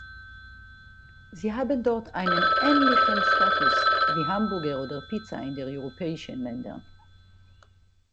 Sie haben dort einen ähnlichen Status wie Hamburger oder Pizza in den europäischen Ländern.